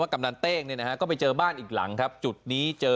กำนันเต้งเนี่ยนะฮะก็ไปเจอบ้านอีกหลังครับจุดนี้เจอ